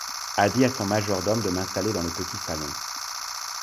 a dit à son majordome de m'installer dans le petit salon.